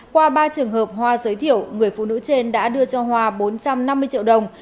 qua ba trường hợp hoa giới thiệu người phụ nữ trên đã đưa cho hòa bốn trăm năm mươi triệu đồng